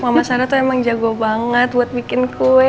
mama sarah tuh emang jago banget buat bikin kue